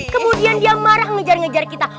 kemudian dia marah ngejar ngejar kita